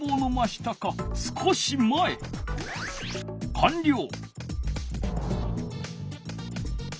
かんりょう！